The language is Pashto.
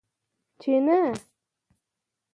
چې نه!